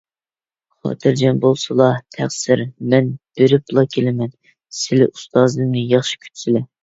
خاتىرجەم بولسىلا، تەقسىر. مەن بېرىپلا كېلىمەن، سىلى ئۇستازىمنى ياخشى كۈتسىلە.